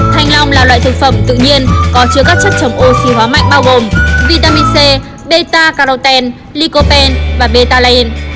thanh long là loại thực phẩm tự nhiên có chứa các chất chống oxy hóa mạnh bao gồm vitamin c beta carotene lycopene và beta layen